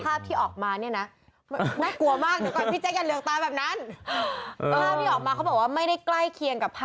เขาบอกว่าภาพที่ออกมาเนี่ยนะ